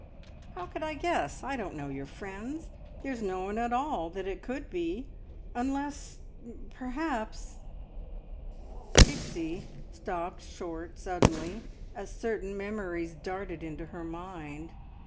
"How could I guess? I don't know your friends. There's no one at all that it could be, unless, perhaps " Pixie stopped short suddenly, as certain memories darted into her mind.